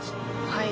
はい。